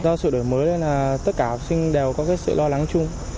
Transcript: do sự đổi mới nên là tất cả học sinh đều có cái sự lo lắng chung